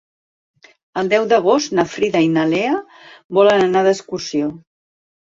El deu d'agost na Frida i na Lea volen anar d'excursió.